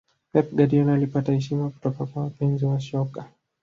pep guardiola alipata heshima kutoka kwa wapenzi wa soka